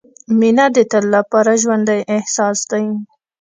• مینه د تل لپاره ژوندی احساس دی.